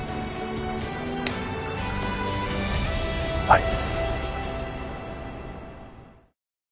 はい。